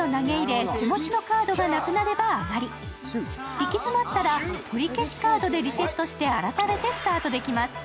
行き詰まったら取り消しカードでリセットして改めてスタートできます。